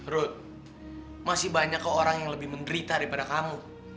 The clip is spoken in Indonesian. rudy masih banyak orang yang lebih menderita daripada kamu